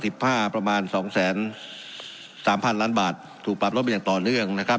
ห้าประมาณสองแสนสามพันล้านบาทถูกปรับลดมาอย่างต่อเนื่องนะครับ